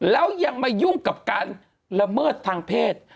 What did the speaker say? แล้วยังมายุ่งกับการละเมิดทางเพศ